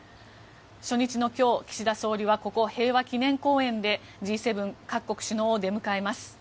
初日の今日、岸田総理はここ、平和記念公園でＧ７各国首脳を出迎えます。